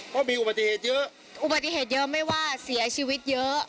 เพราะมีอุบัติเหตุเยอะอุบัติเหตุเยอะไม่ว่าเสียชีวิตเยอะ